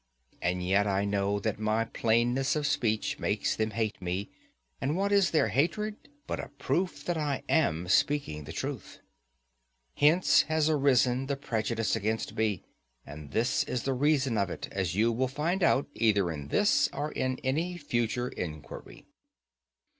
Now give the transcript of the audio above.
And yet, I know that my plainness of speech makes them hate me, and what is their hatred but a proof that I am speaking the truth?—Hence has arisen the prejudice against me; and this is the reason of it, as you will find out either in this or in any future enquiry.